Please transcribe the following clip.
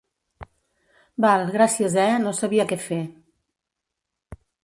Val, gràcies, eh?, no sabia què fer.